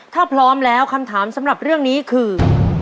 ถ้าพร้อมแล้วคำถามสำหรับเรื่องนี้คือ